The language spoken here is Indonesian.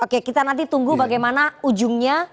oke kita nanti tunggu bagaimana ujungnya